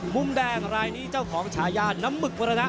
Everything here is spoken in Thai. มุมแดงรายนี้เจ้าของฉายาน้ำหมึกมรณะ